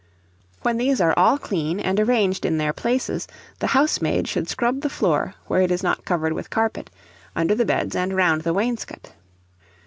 When these are all clean and arranged in their places, the housemaid should scrub the floor where it is not covered with carpet, under the beds, and round the wainscot.